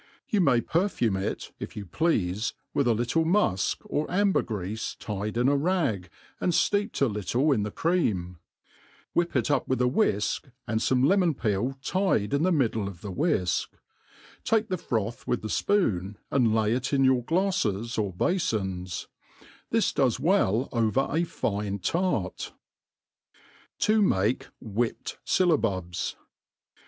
You may 4)erfame it, if you pleafe, with a little mufk or ambergreafe tied in a rag, and fteeped a little in the cream ; whip it up with a whiik, and fome lemon peel tied in the middle of the whifk; take the froth with a fpoon, and lay it in your glafies 4)r bafons, This does well over a fine tart. T§ maki JVhipt' Syllabubs.